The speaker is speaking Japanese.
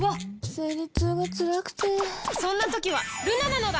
生理痛がつらくてそんな時はルナなのだ！